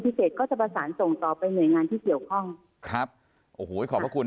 พิเศษก็จะประสานส่งต่อไปเหนื่อยงานที่เกี่ยวคล่องครับขอบภาคคุณ